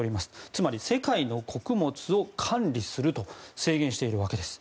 つまり、世界の穀物を管理すると宣言しているわけです。